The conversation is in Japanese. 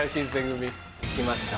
来ました。